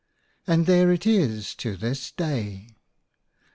And there it is to this day.